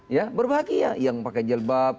ya berbahagia yang pakai jilbab